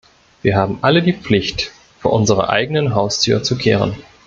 Wir haben alle die Pflicht, vor unserer eigenen Haustür zu kehren.